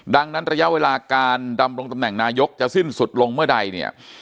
ดังนั้นระยะเวลาการดำรงตำแหน่งนายกจะสิ้นสุดลงเมื่อใดเนี่ย